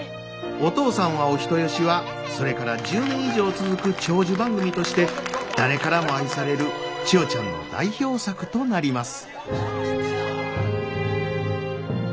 「お父さんはお人好し」はそれから１０年以上続く長寿番組として誰からも愛される千代ちゃんの代表作となります。